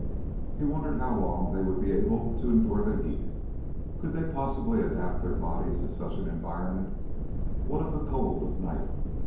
He wondered how long they would be able to endure the heat. Could they possibly adapt their bodies to such an environment? What of the cold of night?